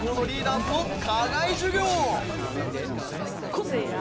個性や。